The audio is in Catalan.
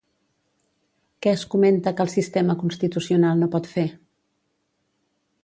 Què es comenta que el sistema constitucional no pot fer?